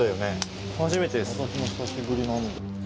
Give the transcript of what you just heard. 私も久しぶりなんです。